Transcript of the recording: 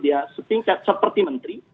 dia setingkat seperti menteri